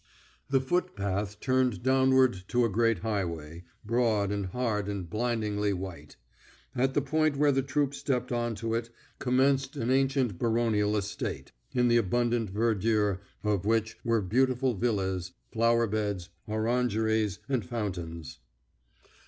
The footpath turned downward to a great highway, broad and hard and blindingly white. At the point where the troupe stepped on to it commenced an ancient baronial estate, in the abundant verdure of which were beautiful villas, flower beds, orangeries and fountains.